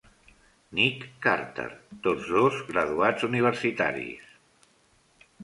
"Nick" Carter, tots dos graduats universitaris.